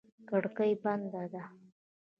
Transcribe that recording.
کړکۍ بنده ده.